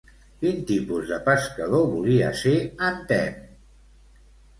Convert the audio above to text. Quin tipus de pescador volia ser en Temme?